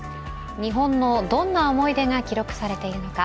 日本のどんな思い出が記録されているのか。